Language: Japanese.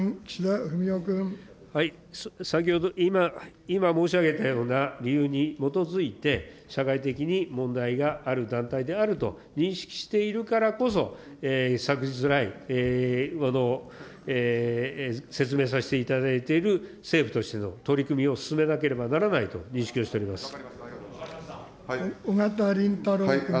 先ほど、今申し上げたような理由に基づいて、社会的に問題がある団体であると認識しているからこそ、昨日来、説明させていただいている、政府としての取り組みを進めなければ緒方林太郎君。